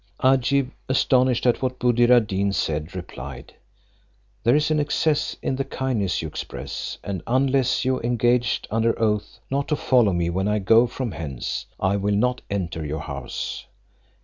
Agib, astonished at what Buddir ad Deen said, replied: "There is an excess in the kindness you express, and unless you engage under oath not to follow me when I go from hence, I will not enter your house.